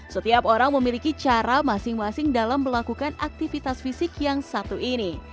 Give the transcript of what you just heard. setiap orang memiliki cara masing masing dalam melakukan aktivitas fisik yang satu ini